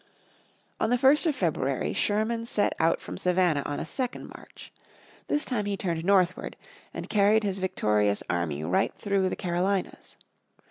On the 1st of February, Sherman set out from Savannah on a second march. This time he turned northward, and carried his victorious army right through the Carolinas.